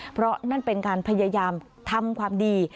เพราะนั่นเป็นการพยายามทำความดี